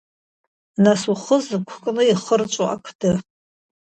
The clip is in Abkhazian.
Нас ухы зықәкны ихырҵәо ақды?